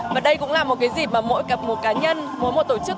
và đây cũng là một cái dịp mà mỗi cặp một cá nhân mỗi một tổ chức